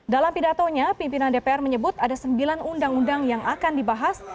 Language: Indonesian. dalam pidatonya pimpinan dpr menyebut ada sembilan undang undang yang akan dibahas